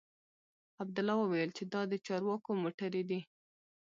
عبدالله وويل چې دا د چارواکو موټرې دي.